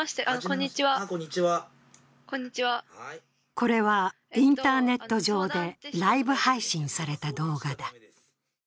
これはインターネット上でライブ配信された動画だ。